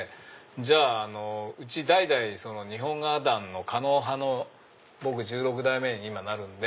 じゃあうち代々日本画壇の狩野派の僕１６代目に今なるんで。